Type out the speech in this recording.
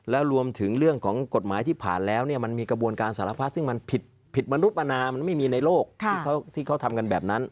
แล้วรวมถึงเรื่องของกฎหมายที่ผ่านแล้วเนี่ยมันมีกระบวนการสารพัดซึ่งมันผิดมนุษย์อนามันไม่มีในโลกที่เขาทำกันแบบนั้น